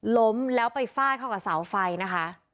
ล้มแล้วไปฟาดเข้ากับเสาไฟนะคะ